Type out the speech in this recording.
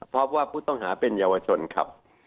พบว่าผู้ต้องหาเป็นเยาวชนครับ